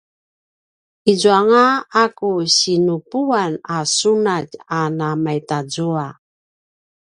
izuanga a ku sinupuan a sunatj a namatazua